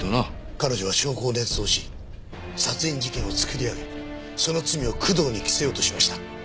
彼女は証拠を捏造し殺人事件を作り上げその罪を工藤に着せようとしました。